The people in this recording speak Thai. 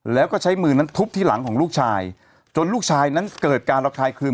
แล้วก็ใช้มือนั้นทุบที่หลังของลูกชายจนลูกชายนั้นเกิดการระคายคืน